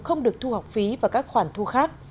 không được thu học phí và các khoản thu khác